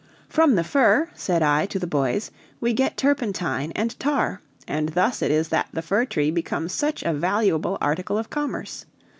"From the fir," said I to the boys, "we get turpentine and tar, and thus it is that the fir tree becomes such a valuable article of commerce.